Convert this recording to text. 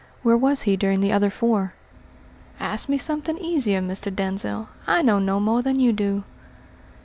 Where was he during the other four?" "Ask me something easier, Mr. Denzil. I know no more than you do."